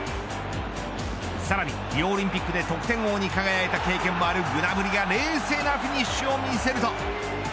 さらにリオオリンピックで得点王に輝いた経験もあるグナブリが冷静なフィニッシュを見せると。